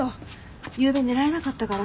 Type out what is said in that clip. ゆうべ寝られなかったから。